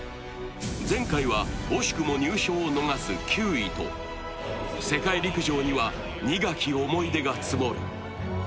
前回は惜しくも入賞を逃す９位と世界陸上には苦き思い出が積もる。